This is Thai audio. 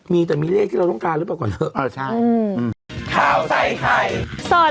มีแต่มีเลขที่เราต้องการหรือเปล่าก่อน